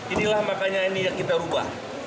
inilah makanya ini yang kita ubah